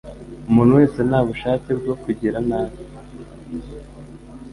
Umuntu wese nta bushake bwo kugira nabi